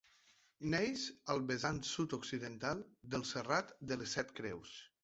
Neix al vessant sud-occidental del Serrat de les Set Creus.